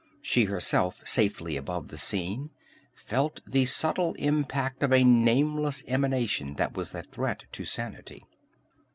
She herself, safely above the scene, felt the subtle impact of a nameless emanation that was a threat to sanity.